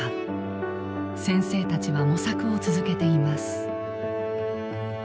先生たちは模索を続けています。